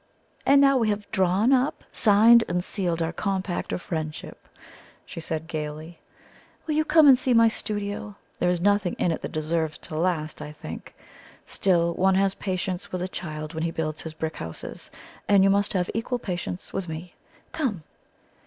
"And now we have drawn up, signed, and sealed our compact of friendship," she said gaily, "will you come and see my studio? There is nothing in it that deserves to last, I think; still, one has patience with a child when he builds his brick houses, and you must have equal patience with me. Come!"